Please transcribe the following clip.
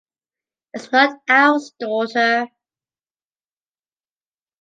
It’s not hours, daughter.